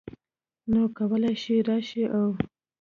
نو کولی شې راشې او